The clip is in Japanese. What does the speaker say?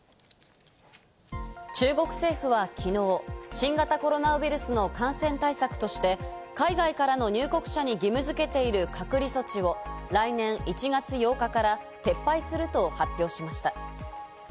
中国政府は昨日、新型コロナウイルスの感染対策として海外からの入国者に義務付けている隔離措置を来年１月８日から撤廃すると発表しました。